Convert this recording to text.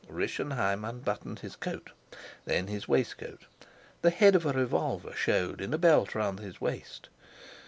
Rischenheim unbuttoned his coat, then his waistcoat. The head of a revolver showed in a belt round his waist.